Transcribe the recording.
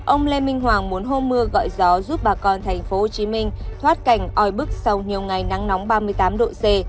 ông lê minh hoàng muốn hô mưa gọi gió giúp bà con tp hcm thoát cảnh oi bức sau nhiều ngày nắng nóng ba mươi tám độ c